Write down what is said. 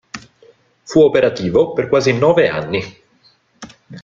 Fu operativo per quasi nove anni.